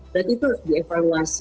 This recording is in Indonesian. berarti itu dievaluasi